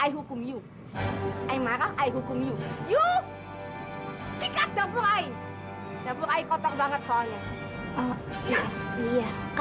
ayuh kumiu yang marah ayuh kumiu yuk sikat dapur air dapur air kotor banget soalnya oh iya